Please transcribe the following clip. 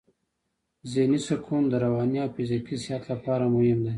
ذهني سکون د رواني او فزیکي صحت لپاره مهم دی.